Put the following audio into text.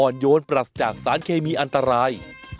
โยนปรัสจากสารเคมีอันตราย